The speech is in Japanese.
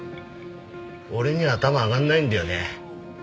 俺には頭上がんないんだよね。